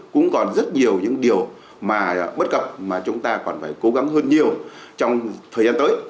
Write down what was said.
cũng còn rất nhiều những điều mà bất cập mà chúng ta còn phải cố gắng hơn nhiều trong thời gian tới